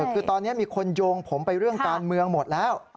คือตอนนี้มีคนโยงผมไปเรื่องการเมืองหมดแล้ว